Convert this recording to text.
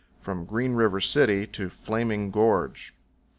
FROM GREEN RIVER CITY TO FLAMING GORGE.